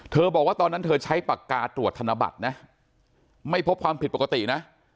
บอกว่าตอนนั้นเธอใช้ปากกาตรวจธนบัตรนะไม่พบความผิดปกตินะ